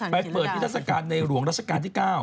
ไปเปิดที่รัศกาลในหลวงรัศกาลที่๙